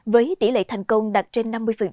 với tỷ lệ thành công đạt trên năm mươi